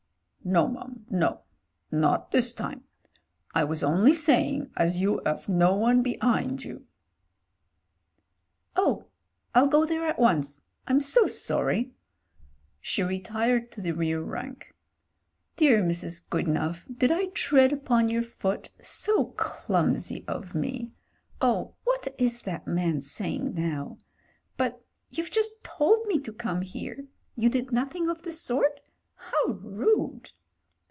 "No, mum, no. Not this time. I was only saying as you 'ave no one behind you." "Oh! I'll go there at once — ^I'm so sorry." She retired to the rear rank. "Dear Mrs. Goodenough, did I tread upon your foot? — so clumsy of me! Oh, what is that man saying now? But you've just told me to come here. You did nothing of the sort ? How rude!"